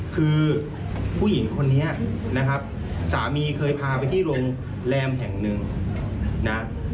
คือผู้หญิงคนนี้นะครับสามีเคยพาไปที่โรงแรมแห่งหนึ่งนะ